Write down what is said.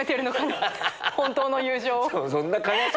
本当の友情を？